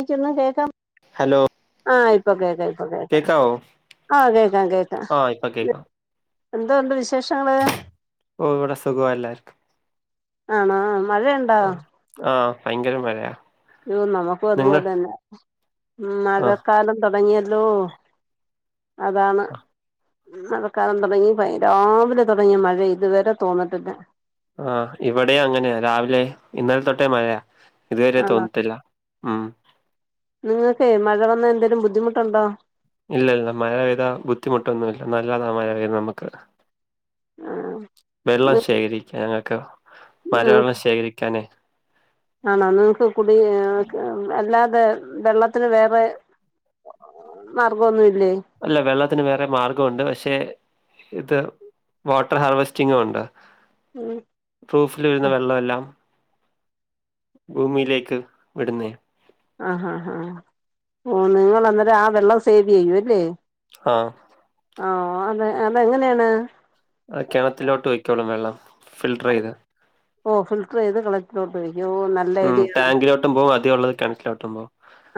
ക്കെ ഒന്നും [unintelligible] കേക്കാം. ഹലോ. ആഹ് ഇപ്പോ കേക്കാം ഇപ്പൊ കേക്കാം കേക്കാവോ ആഹ് കേക്കാം കേക്കാം. ആഹ് ഇപ്പൊ കേക്കാം എന്തോയുണ്ട് വിശേഷങ്ങള്? ഓഹ് ഇവടെ സുഖവാ എല്ലാർക്കും. ആണോ മഴയുൺ ആഹ് ഭയങ്കര മഴയാ. അയ്യോ നമുക്കും അതുപോലെ നിങ്ങൾ തന്നെ ഉം ആഹ് മഴക്കാലം തൊടങ്ങിയല്ലോ. അതാണ്. മഴക്കാലം തൊടങ്ങി ഭ രാവിലെ തൊടങ്ങിയ മഴയാ ഇതുവരെ തോർന്നിട്ടില്ല. ആഹ് ഇവിടെ അങ്ങനെയ രാവിലെ ഇന്നലെ തൊട്ടേ മഴയാ. ഇതുവരെ ആണോ തോർന്നിട്ടില്ല ഉം. നിങ്ങൾക്കേ മഴ വന്നാ എന്തേലും ബുദ്ധിമുട്ടുണ്ടോ? ഇല്ല ഇല്ല മഴ പെയതാ ബുദ്ധിമുട്ടൊന്നുല്ല നല്ലാതാ മഴ പെയ്ത നമ്മക്ക്. ആഹ്. വെള്ളം നി ശേഖരിക്കാനോക്കെ നിങ്ങക്ക് മഴവെള്ളം ശേഖരിക്കാന് ആണോ നിങ്ങക്ക് കുടി അല്ലാതെ വെള്ള വെള്ളത്തിന് വേറെ മാർഗം ഒന്നുംയില്ലേ അല്ല വെള്ളത്തിന് വേറെ മാർഗവുണ്ട് പക്ഷെ - ഇത് വാട്ടർ ഹാർവെസ്റ്റിങ്ങും ഒണ്ട്. ഉം. പ്രൂഫിൽ വരുന്ന വെള്ളമെല്ലാം- ഭൂമിയിലേക്ക് വിടുന്നയാ ആ ഹാ ഹാ ഓ നിങ്ങ അന്നേരം ആ വെള്ളം സേവ് ചെയ്യൂവല്ലേ ആഹ് ആഹ് ഒ അത് അതെങ്ങനെയാണ് അഹ് കിണത്തിലോട്ട് വയ്ക്കോളും വെള്ളം ഫിൽട്ടർ ചെയ്ത് ഓഹ് ഫിൽടർ ചെയ്ത് കിണറ്റിലോട്ട് ഒഴിക്കും ഓഹ് നൽ ഉം ടാങ്കിലോട്ടും പോവും അതികംഉള്ളത് കെണറ്റിലോട്ടും പോവും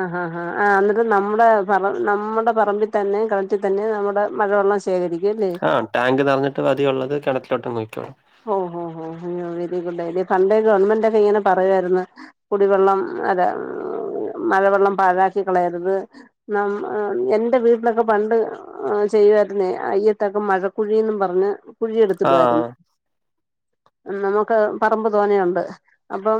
ആഹ് ആഹ് ഹാ ആഹ് ഏഹ് എന്നിട്ട് നമ്മുടെ പറ നമ്മുടെ പറമ്പിൽ തന്നെ കെണറ്റി തന്നെ നമ്മുടെ മഴവെള്ളം ശ് ശേഖരിക്കും അല്ലെ ആഹ് ടാക് നെറഞ്ഞിട്ട് പതി ഉള്ളത് കിണിലോട്ട് അങ്ങ് പൊയ്ക്കോളും ഓഹ് ഓഹ് ഹോ അയ്യോ വെരി ഗുഡ് ഇ പണ്ടേ ഗവൺമെന്റൊക്കെ ഇങ്ങനെ പറയുവായിരുന്നു കുടിവെള്ളം അല്ല മഴവെള്ളം പാഴാക്കി കളയരുത് നം എന്റെ വീട്ടിലൊക്കെ പണ്ട് ആഹ് ചെയ്യുവാര്ന്നേ അയ്യത്തക്കെ മഴക്കുഴിന്നും പറഞ്ഞ് കുഴിയെടുത്തിടുവായിരുന്നു ആഹ് നമുക്ക് പറമ്പ് തോനേയുണ്ട് അപ്പം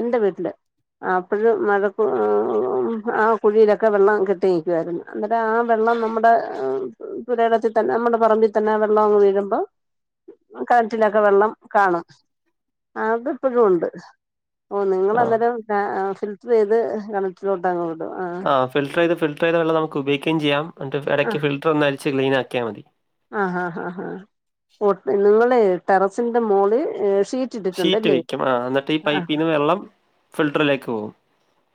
എന്റെ വീട്ടില് അപ്പോഴും മഴക്കു ആ കുഴിയിലൊക്കെ വെള്ളം കെട്ടി നിക്കുവായിര്ന്നു അന്നേരം ആഹ് വെള്ളം നമ്മുടെ പുരയിടത്തിൽ തന്നെ നമ്മുടെ പറമ്പിൽ തന്നെ ആ വെള്ളം അങ്ങ് വീഴുമ്പോ കെണറ്റിലൊക്കെ വെള്ളം കാണും അത്പ്പോഴും ഉണ്ട് ഓഹ് നിങ്ങൾ ആഹ് അന്നേരം ഫിൽറ്റർ ചെയ്ത് കെണറ്റിലോട്ട്ങ്ങങ് വിടും ആഹ് ഫിൽട്ടർ ചെയ്ത് ഫിൽട്ടർ ചെയ്ത വെള്ളം നമുക്ക് ഉപയോഗിക്കേം ചെയാം ഇടക്ക് ഫിൽട്ടർ ഒന്ന് അരിച്ച് ക്ലീനാക്കിയൽ മതി ആഹ് ഹാ ഹാ ഹാ നിങ്ങള് ടെറസിന്റെ മോള് ഷീ ഷീറ്റ് വയ്ക്കും ആഹ് എന്നിട്ട് ഈ പൈപ്പിന്ന് വെള്ളം ഫിൽട്ടറിലേക്ക് പോവും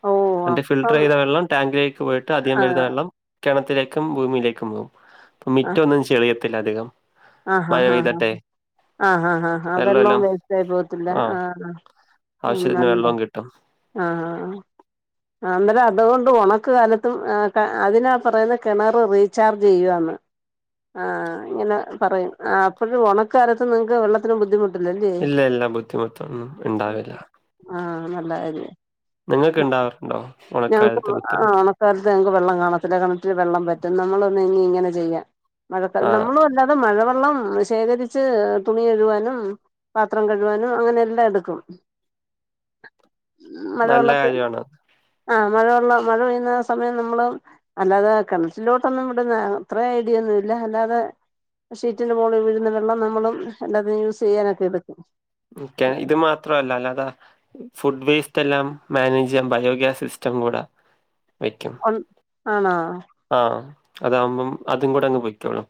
ഓ എന്നിട്ട് ഫിൽറ്റർ അപ്പം ചെയ്ത വെള്ളം ടാങ്കി ലേക്ക് പോയിട്ട് അധികം ആ വരുന്ന വെള്ളം കെണത്തിലേക്കും ഭൂമിയിലേക്കും പോകും അപ്പം മിറ്റ ഒന്നും ചെളിയത്തില്ല അധികം ആഹ് ഹാ മഴ ഹാ ഹാ പെയ്തട്ടെ ആഹ് ഹാ ഹാ ഹാ വെള്ളോ വെള്ളമെല്ലാം വ തായി പോകത്തില്ല ആഹ് ഉം നല്ലേ ട്ടം ആഹ് ആഹ് ആഹ് ആഹ് അന്നേരം അതുകൊണ്ട് ഉണക്ക്‌ കാലത്തും അതിനാ പറയുന്നേ കെണറ് റീചാർജ് ചെയ്യുകാന്ന് ആഹ് ഇങ്ങനെ പറയും ആഹ് അപ്പഴും ഓണക്ക്‌ക്കാലത്തും നിങ്ങക്ക് വെള്ള ത്തിന്ബുദ്ധിമുട്ടില്ല അല്ലേ ഇല്ല ഇല്ല ബുദ്ധിമുട്ടൊന്നും ഇണ്ടാവില്ല ആഹ് നല്ല ക്കാര്യാ നിങ്ങൾക്ക് ഇണ്ടാറുണ്ടോ ഒണക്കാലത്ത് ബുദ്ധിമുട്ട് കാലത്ത് ഞങ്ങക്ക് വെള്ളം കാണത്തില്ല കെണറ്റില് വെള്ളം വറ്റും നമ്മളൊന്ന് ഇനി ഇങ്ങനെ ചെയ്യാം മഴക്ക ആഹ് നമ്മളു എല്ലാ ത് മഴവെള്ളം ശേഖരിച്ച് തുണി കഴുവാനും പാത്രം കഴുവാനും അങ്ങനെ എല്ലാം എടുക്കും നല്ല മഴവെള്ളത്തി കാര്യമാണ്. ആഹ് മഴവെള്ളം മഴ പെയ്യുന്ന സമയം നമ്മള് അല്ലാതെ കെണറ്റിലോട്ടൊന്നുംവിടുന്നെ അത്ര ഐഡിയൊന്നും ഇല്ല അല്ലാതെ ഷീറ്റിന്റെ മോളിൽ വീഴുന്ന വെള്ളം നമ്മളും എല്ലാത്തിനും യൂസെയ്യാനൊക്കെ എടുക്കും ഇൻ ക്കെ ഇത് മാത്രവല്ല അല്ലതെ ഫുഡ് വേസ്റ്റ് എല്ലാം മാനേജ് ചെയ്യാൻ ബയോഗ്യാസ് സിസ്റ്റം കൂടെ വയ്ക്കും ആണോ ആഹ് അതാവുമ്പം അതും കൂടെ അങ്ങ് പൊയ് ക്കോളും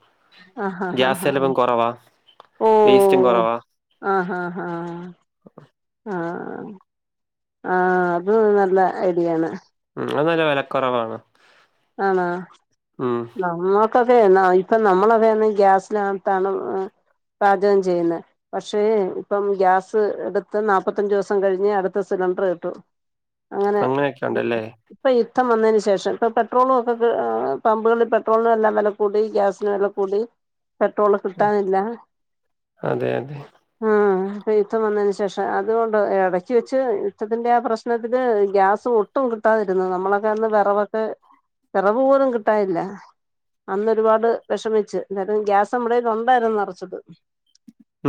ആഹ് ആഹ് ആഹ് ആഹ് ഗ്യാസെലവും കൊറവാ ഓ വേസ്റ്റും കൊറവാ ആഹ് ഹാ ഹാ ആഹ് ആഹ് ആ അത് നല്ല ഐഡിയാണ് ഉം അത് നല്ല വിലക്കുറവാണ് ആണോ നമ്മ ഇപ്പൊ ഒക്കെ ന്നാ ഇപ്പം നമ്മളൊക്കെന്ന് ഗ്യാസിലകത്താണ് പാചകം ചെയ്യുന്നത് പക്ഷേ ഇപ്പം ഗ്യാസ് എടുത്ത് നാല്പ്പത്തഞ്ചു ദിവസം കഴിഞ്ഞ് അടുത്ത സിലിണ്ടർ കിട്ടു അങ്ങനെ അങ്ങനെയൊക്കെ ഉണ്ടല്ലേ. ഇപ്പൊ യുദ്ധം വന്നതിന് ശേഷം ഇപ്പൊ പെ ട്രോളും ഒക്കെ പമ്പുകളിൽ പെട്രോളിനും എല്ലാം വെല കൂടി ഗ്യാസിന് വെല കൂടി പെട്രോള് കിട്ടാനില്ല അതെ അതെ. ആഹ് ഇപ്പ യുദ്ധം വന്നതിന് ശേഷം അതുകൊണ്ട് ഇടക്ക് വെച്ച് യുദ്ധത്തിന്റെ ആ പ്രശ്നത്തില് ഗ്യാസ് ഒട്ടും കിട്ടാതിരുന്നു നമ്മളൊക്കാട്ടിലും വിറക്കൊകെ വിറക് പോലും കിട്ടാനില്ല അന്ന് ഒരു പാട് വിഷമിച്ച് നേരം ഗ്യാസ് നമ്മുടെയില് ഉണ്ടായിരുന്നു നിറച്ചത്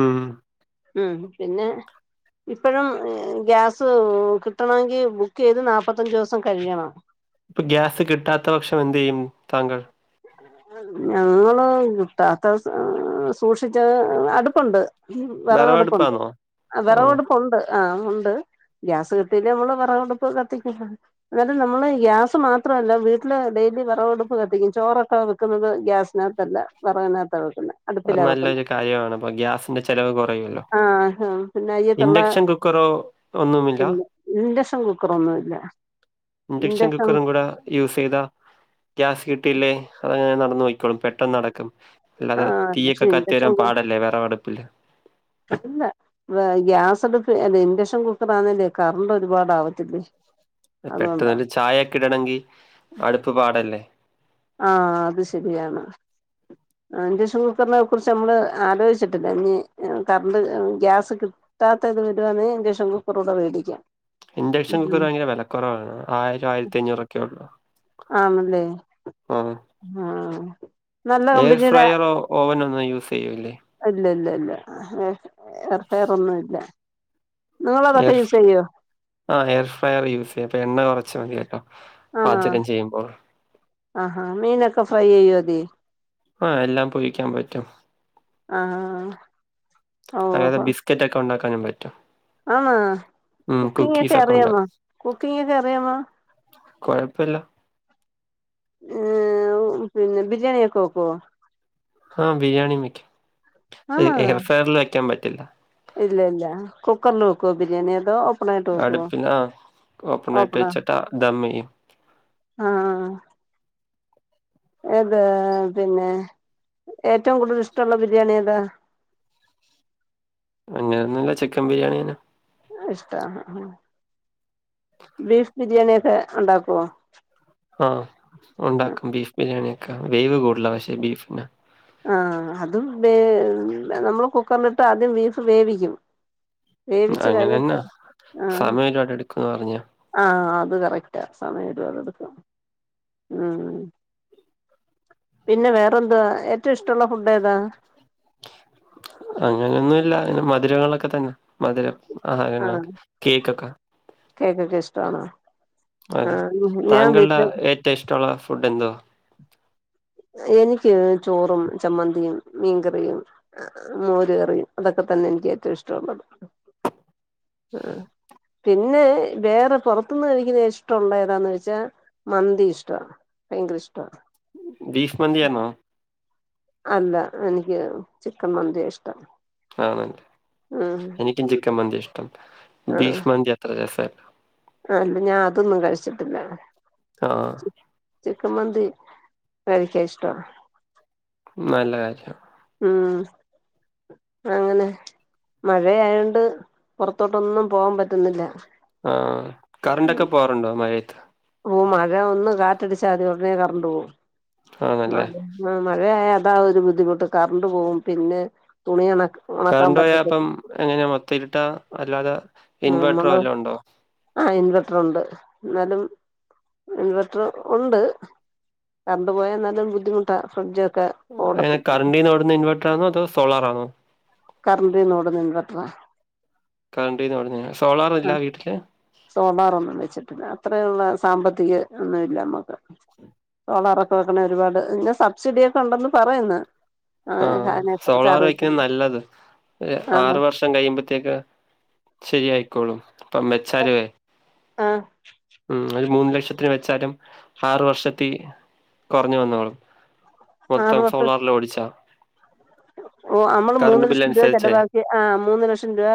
ഉം ഉം പിന്നെ ഇപ്പഴും ഗ്യാസ് കിട്ടണമെങ്കിൽ ബുക്ക് ചെയ്ത് നാല്പ്പത്തഞ്ച് ദിവസം കഴിയണം ഗ്യാസ് കിട്ടാത്ത പക്ഷം എന്ത് ചെയ്യും താങ്കൾ ഞങ്ങള് കിട്ടാത്ത സൂക്ഷിച്ച് അടുപ്പുണ്ട് ഉം വിറകെടുപ്പുണ്ട് വെറവടുപ്പാന്നോ? ഓഹ് വിറവെടുപ്പ് ഉണ്ട് ആഹ് ഉണ്ട് ഗ്യാസ് കിട്ടീല്ല നമ്മള് വിറകടുപ്പ് കത്തിക്കണം എന്നിട്ടും നമ്മള് ഗ്യാസ് മാത്രമല്ല വീട്ടില് ഡെയിലി വിറവടുപ്പ് കത്തിക്കും ചോറൊക്കെ ഇപ്പം വെക്കുന്നത് ഗ്യാസിനകത്തല്ല വിറക് നകത്ത വെക്കുന്നത് അത് നല്ലൊരു കാര്യമാണ് അപ്പൊ ഗ്യാസിന്റെ ചെലവ് കുറയല്ലോ ആഹ് പിന്നെ അയ്യത്തുള്ള ഇൻഡക്ഷൻ കുക്കറോ ഒന്നുമില്ല ഇഡക്ഷൻ കുക്കറ ഒന്നും ഇല്ല ഇൻഡക്ഷൻ കുക്കർ ഇവടെ യൂസ് ചെയ്താ ഗ്യാസ് കിട്ടിയില്ലേ അതങ്ങനെ നടന്ന് നോക്കോളും പെട്ടെന്ന് നടക്കും അല്ലാതെ ആഹ് പക്ഷെ തീയൊക്കെ കത്തി ഇൻഡക്ഷൻ വരാൻ പാടല്ലേ വിറക് ടുപ്പില് അല്ല വെ ഗ്യാസ് ക്കെ അല്ല ഇൻഡക്ഷൻ കുക്കറണേ കറണ്ട് ഒരുപാട് ആവത്തില്ലേ പെട്ടെന്ന് അതുകൊണ്ടാ ഒരു ചായൊക്കെ ഇടണമെങ്കി അടുപ്പ് പാടല്ലേ ആഹ് അത് ശരിയാണ് ആഹ് ഇൻഡക്ഷൻ കുക്കറിനെ കുറിച്ച് നമ്മള് ആലോചിച്ചിട്ടില്ല ഇനി കറണ്ട് ഗ്യാസ് താത്ത അത് വിടണേ ഇൻഡക്ഷൻ കുക്കറ് കൂടെ മേടിക്കാം ഇൻഡക്ഷൻ കുക്കർ ഭയങ്കര വിലക്കുറവാണ് ആയിരം ആയിരത്തി അഞ്ഞൂറൊക്കെ ഉള്ളൂ ആണല്ലേ ഉം ആഹ് നല്ല എ കമ്പനിയുടെ ഫ്രയറോ ഓവനോ ഒന്നും യൂസ് ചെയ്യൂല്ലേ ഇല്ല ഇല്ല ഇല്ല എർഫെയർ ഒന്നും ഇല്ല നിങ്ങള് അതൊക്കെ യൂസ് ചെയ്യോ ആഹ് എർ ഫ്രയർ യൂസ് ചെയ അപ്പൊ എണ്ണ കുറച്ച് മതി കേട്ടോ ആണോ പാചകം ചെയ്യുമ്പോൾ ആഹാ മീനൊക്കെ ഫ്രൈ ചെയ്യോ അതിൽ ആ എല്ലാം പൊരിക്കാൻ പറ്റും ആഹ് ഓ ഹോ കെറ്റ് ഒക്കെ ഉണ്ടാക്കൻ പറ്റും ആണോ ഉം കുക്കിംഗ് ഒക്കെ കുക്കീസ് അറിയാമോ ഉണ്ടാക്കും കുക്കിംഗ് ഒക്കെ അറിയാമോ കുഴപ്പമില്ല ഉം പിന്നെ ബിരിയാണി ഒക്കെ വെക്കുവോ ആഹ് ബിരിയാണി വക്കും അത് ആണോ എയർ ഫ്രൈറിൽ വയ്ക്കാൻ പറ്റില്ല ഇല്ല ഇല്ല കുക്കറിൽ വെക്കുവോ ബിരിയാണി അതോ ഓപ്പണായിട്ട് വെക്കുവോ അടുപ്പില് ഓപ്പൺ ആയിട്ട് വച്ചട്ടാ ദമ്മ്ചെയ്യും ആഹ്ആഹ് ഏത് പിന്നെ ഏറ്റവും കൂടുതൽ ഇഷ്ടമുള്ള ബിരിയാണി ഏതാ അങ്ങനെയൊന്നുമല്ല ചിക്കൻ ബിരിയാണിന് ഇഷ്ടാ ബീഫ് ബിരിയാണി ഒക്കെ ഉണ്ടാക്കുവോ ആഹ് ഉണ്ടാക്കും ബീഫ് ബിരിയാണി ഒക്കെ വേവ് കൂടുതല പക്ഷേ ബീഫന് ആഹ് അതുംവേ നമ്മള് കുക്കറിലിട്ട് ആദ്യം ബീഫ് വേവിക്കും വേവിച്ചു കഴിഞ്ഞിട്ട് അങ്ങനെന്നെ ആഹ് സമയം ഒരുപാട് എടുക്കുംന്ന് പറഞ്ഞ്. ആഹ് ആഹ്അത് കറക്റ്റാ സമയം ഒരുപാട് എടുക്കംആഹ് പിന്നെ വേറെ എന്താ ഏറ്റവും ഇഷ്ടമുള്ള ഫുഡ് ഏതാ അങ്ങനൊന്നുമല്ല മധുരങ്ങളൊക്കെ തന്നെ മധുരം ആഹാരങ്ങൾക്ക് കേക്ക്ഒക്കെ കേക്ക്ഒക്കെ ഇഷ്ടണോ അതെ താങ്കളുടെ ഏറ്റവും ഇഷ്ടമുള്ള ഫുഡ് എന്തവാ എനിക്ക് ചോറും ചമ്മന്തിയും മീൻകറിയും മോര് കറിയും അതൊക്കെ തന്നെ എനിക്ക് ഏറ്റവും ഇഷ്ടമുള്ളത് ആഹ് പിന്നെ വേറെ പുറത്തുന്ന് കഴിക്കുന്നത് ഇഷ്ടമുള്ള ഏതാന്ന് വെച്ചാ മന്തി ഇഷ്ടമാണ് ഭയങ്കര ഇഷ്ടാണ് ബീഫ് മന്തിയാണൊ അല്ല എനിക്ക് ചിക്കൻ മന്തി ഇഷ്ടം ആണ് ഉം എനിക്കും ചിക്കൻ മന്തി ഇഷ്ടം ബീഫ് മന്തി അത്ര രസല്ല ആഹ് അല്ല ഞാൻ അതൊന്നും കഴിച്ചിട്ടില്ല ആഹ് ചിക്കൻ മന്തി കഴിക്കാൻ ഇഷ്ടം നല്ല കാര്യം ഉം അങ്ങനെ മഴയായോണ്ട് പുറത്തോട്ടൊന്നും പോവാൻ പറ്റുന്നില്ല ആഹ് കറണ്ടൊക്കെ പോവാറുണ്ടോ മഴയത്ത് ഓ മഴ ഒന്ന് കാറ്റടിച്ചാതിം ഉടനെ കറണ്ട് പോവും ആണല്ലേ. മഴ,, ആഹ് മഴയായ അതാ ഒരു ബുദ്ധിമുട്ട് കറണ്ട് പോവും പിന്നെ തുണി ഉണ,, ഉണക്കാൻ കറണ്ട് പോയാപ്പം പറ്റത്തില്ല എങ്ങനാ മൊത്ത ഇരുട്ടാ അല്ലാതെ ഇൻവേർട്ടറോ വേല്ലോ ഉണ്ടോ ആഹാ ഇൻവെർട്ടർ ഉണ്ട് എന്നാലും ഇൻവെർട്ടർ ഉണ്ട് കറണ്ട് പോയാ നല്ലൊരു ബുദ്ധിമുട്ടാ ഫ്രിഡ്ജൊക്കെ ഓടത്തി എങ്ങനെ കറണ്ടീന്ന് ഓടുന്ന ഇൻവേറ്ററാണോ അതോ സോളാർാണോ കറണ്ടിന്നൊടുന്ന ഇൻവേറ്ററാ കറണ്ട് എന്നപറഞ സോളാറല്ല വീട്ടില് സോളാർൊന്നും വെച്ചിട്ടില്ല അത്രയുള്ള സാമ്പത്തിക ഒന്നുംല്ല നമ്മുക്ക് സോളാറൊക്കെ,, വക്കണ ഒരുപാട് ഇന്നെ സബ്സിഡിയ ഒക്കെ ഉണ്ടന്ന് പറയന്ന് ആഹ് സോളാർ വയ്ക്കൻ നല്ലത് ആന്നോ ആറു വർഷം കഴിയുമ്പഴത്തേക്ക് ശരിയയിക്കോളും അഇപ്പം മെച്ചാരുവേ ആഹ് ഉം ഒരു മൂന്ന് ലക്ഷത്തിന് വെച്ചാലും ആറ് വർഷത്തി കൊറഞ്ഞു വന്നോളും ആറ് മൊത്തം വർഷം സോളാർല് ഓടിച്ച ഓ അമ്മള് മൂന്ന് ലക്ഷം രൂപ ചെലവാക്കി ആഹ് മൂന്ന് ലക്ഷം രൂപ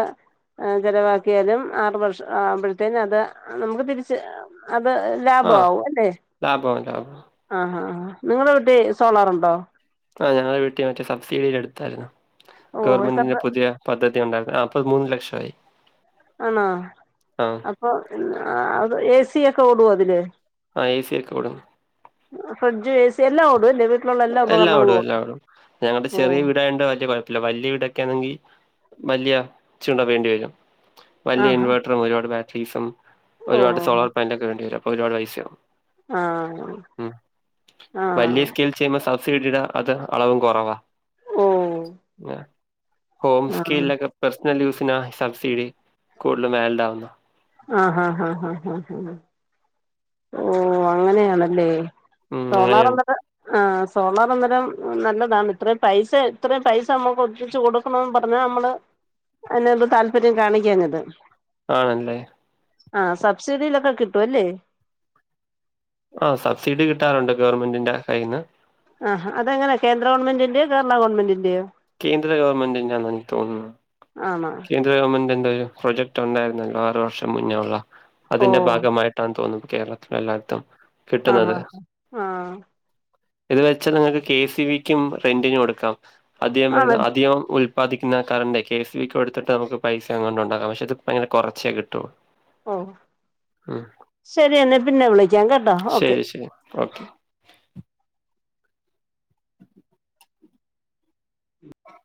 ഇഹ് ചെലവാക്കിയാലും ആറു വർഷം ആവുമ്പഴത്തേനു അത് നമുക്ക് തിരിച്ച് അത് ലാഭ ആഹ് ആവും അല്ലേ ലാഭം ലാഭം ആഹ് ആഹ് ആഹ് നിങ്ങളെ വീട്ടിസോളാറുണ്ടോ ആഹ് ഞങ്ങടെ വീട്ടിൽ മറ്റേ സബ്സിഡിൽ എടുത്തായിരുന്നു ഓ എത്ര ഗവൺമെന്റിന്റെ പുതിയ പദ്ധതി ഉണ്ടായ്ര്ന്ന് അപ്പ മൂന്ന് ലക്ഷം ആയി ആണോ അപ്പൊ അത് എ ഏസിയൊക്കെ ഓടുവോ അതില് ആഹ് ഏസിയൊക്കെ ഓടും ഫ്രിഡ്ജ്, ഏസി എല്ലാം ഓടു അല്ലേ വീട്ടിലുള്ള എല്ലാ ഉപകരണങ്ങളും എല്ലാഓടും ഓടും എല്ലഓടും ഞങ്ങടെ ഓ ചെറിയ വീടയൊണ്ട് വല്യെ കൊഴപ്പല്ല വല്യെ വീട് ക്കേണെങ്കി വല്യ ച്ചിരി കൂടെ വേണ്ടി വരും വല്യെ ആഹാ ഇൻവെട്ട ട്രും ഒരുപാട് ബാറ്ററീസും ഓ ഒരുപാട് സോളാർ ഓ പാൻലൊക്കെ വേണ്ടി വരും അപ്പൊ ഒരുപാട് പൈസയാവും. ആഹ് ആഹ് ആഹ് ആഹ് ആഹ് ആഹ് ക്കിൽ ചെയ്യുന്ന സബ്സിഡിടേ അത് അളവും കൊറവാ. ഓ ഹോം സ്കിൽനൊക്കെ പേസ്ണൽ യൂ സിനാ സബ്സിഡി കൂടുതൽ വാലിഡ് ആവുന്നേ. ആഹ് ഹാ ഹാ ഹാ ഹാ ഹാ ഓ അങ്ങനെയാണല്ലേ ഉം സോളാർ അങ്ങനെയുണ്ട് അന്നേരം ആഹ് സോളാർ അന്നേരം നല്ലതാണ്. ഇത്രയും പൈസ ഇത്രയും പൈസ നമ്മുക്ക് ഒരുമിച്ച് കൊടുക്കണം എന്ന് പറഞ്ഞ് നമ്മള് അതിനകത്ത് താല്പര്യം കാണിക്കാഞ്ഞത്. ആണല്ലേ ആഹ് സബ്സിഡിയിലൊക്കെ കിട്ടും അല്ലേ ആഹ് സബ്സിഡി കിട്ടാറുണ്ട് ഗവൺമെന്റിന്റെ കയ്യിന്ന്. ആഹ് ഹാ അതെങ്ങനെ കേന്ദ്ര ഗവൺമെന്റിന്റെയോ കേരള ഗവൺമെന്റിന്റെയോ കേന്ദ്ര ഗവൺമെന്റിന്റെ ആന്നാ എനിക്ക്തോന്ന്ന്നു. ആണോ കേന്ദ്ര ഗവൺമെന്റിന്റെ ഒരു പ്രോജക്റ്റ് ഉണ്ടായിരുന്നല്ലോ ആറ് വർഷം മുന്നേ ഉള്ള ഓ അതിന്റെ ഭാഗമായിട്ടാണ് തോന്നുന്നു ഇപ്പൊ കേരളത്തില് എല്ലായിടത്തും കിട്ടുന്നത്. ആഹ് ആഹ് ഇത് വെച്ചാൽ നിങ്ങൾക്ക് കെ. സി. ഇ. ബി. ക്കും റെന്റിന് കൊടുക്കാം. അധികം ആണോ വരുന്ന അധികം ഉല് ല്‌പാദിക്കുന്ന കറണ്ടേയ് കെ. എസ്. ഇ. ബി. ക്ക് കെടുത്തിട്ട് നമുക്ക് പൈസ അങ്ങൊണ്ട് ഉണ്ടക്കാം. പക്ഷെ അത് പ്പൊ അങ്ങനെ കുറച്ചേ കിട്ടൊള്ളു ഓ ശരി എന്നെ പിന്നെ വിളിക്കാം കേട്ടോ ഓക്കെ. ശരി ശരി ഓക്കെ